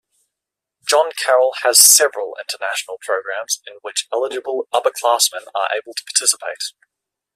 John Carroll has several international programs in which eligible upperclassman are able to participate.